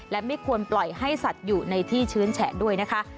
และไม่ควรปล่อยให้สัตว์อยู่ในที่ชื้นแฉะด้วยนะคะ